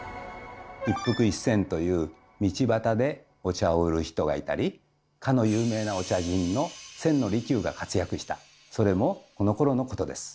「一服一銭」という道端でお茶を売る人がいたりかの有名なお茶人の千利休が活躍したそれもこのころのことです。